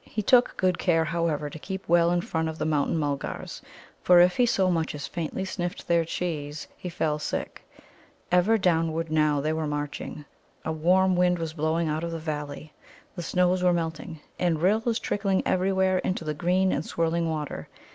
He took good care, however, to keep well in front of the Mountain mulgars, for if he so much as faintly sniffed their cheese, he fell sick. Ever downward now they were marching. A warm wind was blowing out of the valley, the snows were melting, and rills trickling everywhere into the green and swirling water.